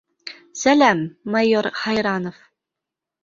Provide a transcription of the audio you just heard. Сәләм, майор һайранов!